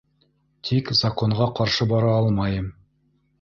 Тик законға ҡаршы бара алмайым.